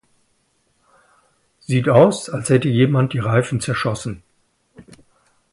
Sieht aus, als hätte jemand die Reifen zerschossen.